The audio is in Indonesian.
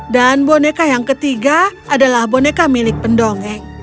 dan boneka yang ketiga adalah boneka milik pendongeng